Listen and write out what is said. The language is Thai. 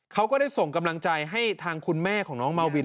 ก็ได้ส่งกำลังใจให้ทางคุณแม่ของน้องมาวิน